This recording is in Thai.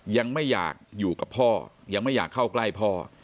ยังไม่อยากอยู่กับพ่อยังไม่อยากเข้าใกล้พ่อ